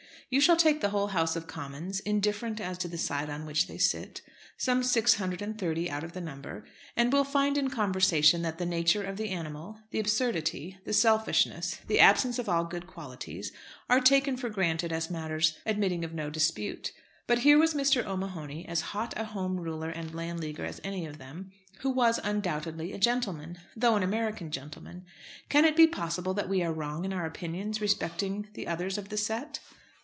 You shall take the whole House of Commons, indifferent as to the side on which they sit, some six hundred and thirty out of the number, and will find in conversation that the nature of the animal, the absurdity, the selfishness, the absence of all good qualifies, are taken for granted as matters admitting of no dispute. But here was Mr. O'Mahony, as hot a Home Ruler and Landleaguer as any of them, who was undoubtedly a gentleman, though an American gentleman. Can it be possible that we are wrong in our opinions respecting the others of the set?